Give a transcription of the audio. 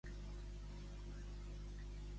Per quina raó no ho poden ser Puigdemont ni Comin?